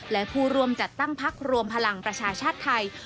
และผู้ร่วมจัดตั้งพักรวมพลังประชาชาติไทย